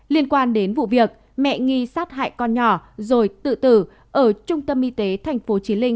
liên quan đến vụ việc mẹ nghi sát hại con nhỏ rồi tự tử ở trung tâm y tế tp chí linh